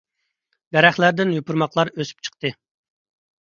دەرەخلەردىن يوپۇرماقلار ئۆسۈپ چىقتى.